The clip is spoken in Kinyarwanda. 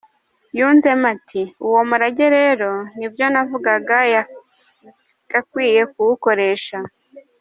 Yunzemo ati “Uwo murage rero ni byo navugaga yagakwiye kuwukoresha.